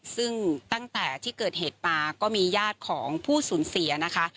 ซึ่งตั้งแต่ที่เกิดเหตุมาก็มีญาติของผู้สูญเสียนะคะ